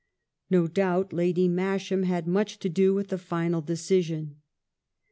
No doubt Lady Masham had much to do with the final decision.